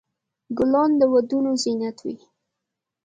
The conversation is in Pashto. ګلان د ودونو زینت وي.